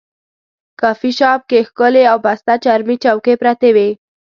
کافي شاپ کې ښکلې او پسته چرمي چوکۍ پرتې وې.